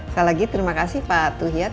sekali lagi terima kasih pak tuhiat